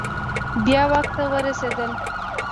بیا واک ته ورسیدل